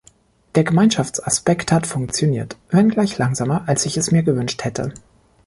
Der Gemeinschaftsaspekt hat funktioniert, wenngleich langsamer, als ich es mir gewünscht hätte.